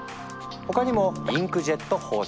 他にも「インクジェット方式」。